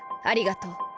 ありがとう。